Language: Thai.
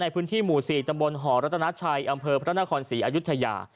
พื้นที่หมู่๔ตำบลหอรัตนาชัยอำเภอพระนครศรีอายุทยา